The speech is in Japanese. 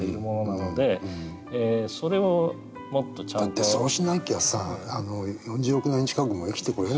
だってそうしなきゃさ４０億年近くも生きてこれないでしょう